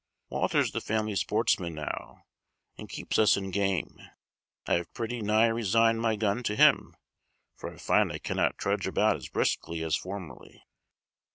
Walter's the family sportsman now, and keeps us in game. I have pretty nigh resigned my gun to him; for I find I cannot trudge about as briskly as formerly."